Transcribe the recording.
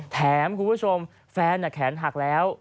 แถมคุณผู้ชมแฟนแขนหักแล้ว